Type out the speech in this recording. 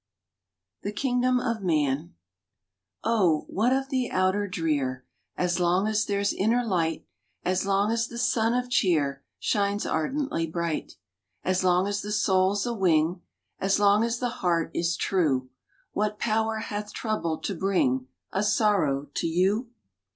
THE KINGDOM OF MAN OWHAT of the outer drear, As long as there s inner light; As long as the sun of cheer Shines ardently bright? As long as the soul s a wing, As long as the heart is true, What power hath trouble to bring A sorrow to you?